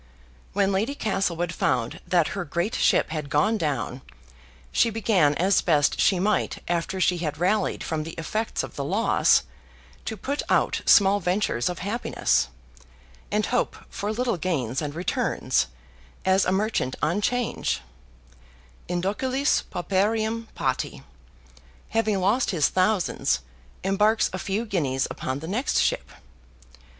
When Lady Castlewood found that her great ship had gone down, she began as best she might after she had rallied from the effects of the loss, to put out small ventures of happiness; and hope for little gains and returns, as a merchant on 'Change, indocilis pauperiem pati, having lost his thousands, embarks a few guineas upon the next ship.